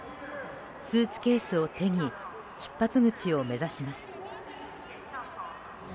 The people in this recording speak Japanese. スーツケースを手に出発口を目指します。